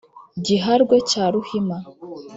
giharwe cya ruhima